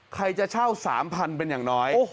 ใครจะเช่า๓๐๐๐เป็นอย่างน้อย